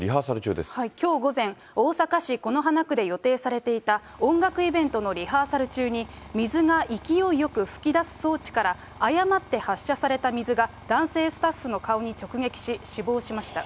きょう午前、大阪市此花区で予定されていた音楽イベントのリハーサル中に、水が勢いよく噴き出す装置から誤って発射された水が男性スタッフの顔に直撃し、死亡しました。